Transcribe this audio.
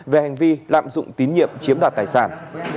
về hành vi lạm dụng tín nhiệm chiếm đoạt tài sản